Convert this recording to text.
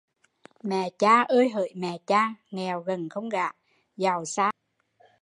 Mẹ cha ơi hỡi mẹ cha, nghèo gần không gả, giàu xa đem đày